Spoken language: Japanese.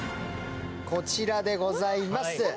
こちらでございます。